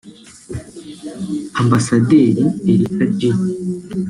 Ambasaderi Erica J